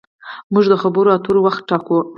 موږ د خبرو اترو وخت ټاکو.